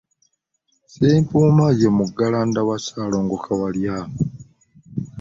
Sseppuuya ye muggalanda ewa Ssaalongo Kawalya.